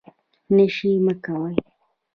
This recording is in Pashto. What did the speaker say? نشې مه کوئ